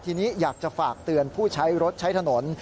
ทีนี้อยากจะฝากเตือนผู้ใช้รถใช้ถนน